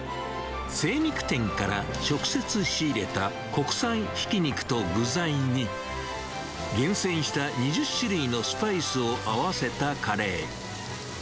精肉店から直接仕入れた国産ひき肉と具材に、厳選した２０種類のスパイスを合わせたカレー。